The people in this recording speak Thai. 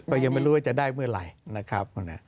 ยังไม่รู้ว่าจะได้เมื่อไหร่นะครับ